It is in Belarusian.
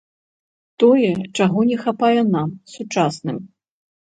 Тое, чаго не хапае нам, сучасным.